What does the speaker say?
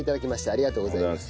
ありがとうございます。